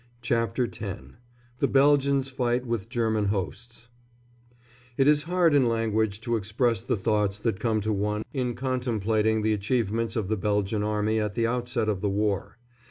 ] CHAPTER X THE BELGIANS' FIGHT WITH GERMAN HOSTS [It is hard, in language, to express the thoughts that come to one in contemplating the achievements of the Belgian Army at the outset of the war.